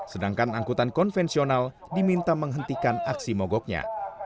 sedangkan angkutan konvensional diminta menghentikan aksi mogoknya